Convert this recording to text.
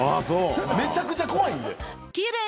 めちゃくちゃ怖いんで。